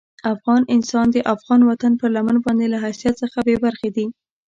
افغان انسان د افغان وطن پر لمن باندې له حیثیت څخه بې برخې دي.